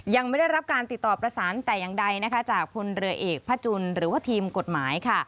ยังไม่ได้รับการติดต่อประสานแต่อย่างใดจากพละเอกพจนหรือทีมกฎหมาย